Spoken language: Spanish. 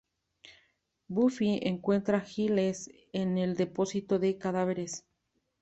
Buffy encuentra a Giles en el depósito de cadáveres.